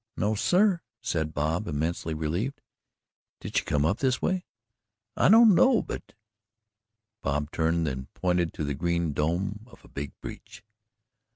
"No, sir," said Bob, immensely relieved. "Did she come up this way?" "I don't know, but " Bob turned and pointed to the green dome of a big beech.